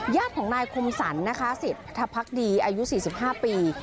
ญาติของนายคมสันศิษย์ทัพพรักดีอายุ๔๕ปี